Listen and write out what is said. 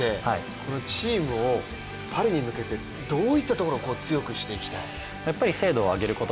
そしてキャプテンとしてチームをパリに向けてどういったところを強くしていきたい？